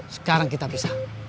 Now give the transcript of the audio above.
sekarang kita pisah